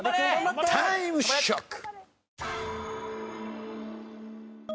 タイムショック！